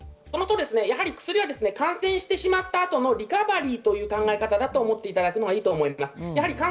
薬は感染してしまった後のリカバリーという考え方だと思っていただくのがいいと思います。